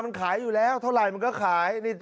มันขายอยู่แล้วเท่าไหร่มันก็ขาย